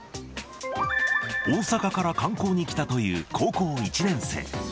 大阪から観光に来たという高校１年生。